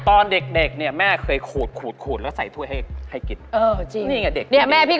ตอนเด็กเนี่ยแม่เคยขูดแล้วใส่ถ้วยให้กิน